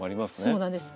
そうなんです。